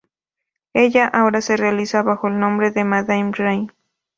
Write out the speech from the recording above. Ella ahora se realiza bajo el nombre de Madame Ray.